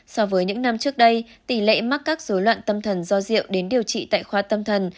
so với những năm trước đây tỷ lệ mắc các dối loạn tâm thần do rượu đến điều trị tại khoa tâm thần